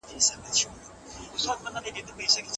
له بده مرغه ځيني ميرمني د خپلو خاوندانو قصې نورو ميرمنو ته کوي.